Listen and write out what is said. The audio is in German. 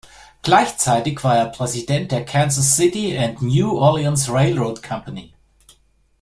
Gleichzeitig war er Präsident der Kansas City and New Orleans Railroad Company.